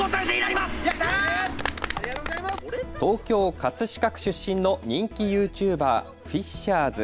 東京葛飾区出身の人気ユーチューバー、フィッシャーズ。